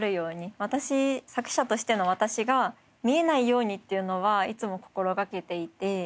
私作者としての私が見えないようにっていうのはいつも心掛けていて。